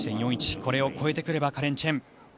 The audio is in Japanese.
これを超えてくればカレン・チェン